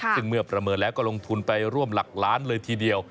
ซึ่งเมื่อประเมินแล้วก็ลงทุนไปร่วมหลักล้านเลยทีเดียว